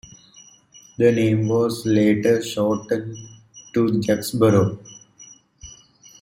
The name was later shortened to Jacksboro.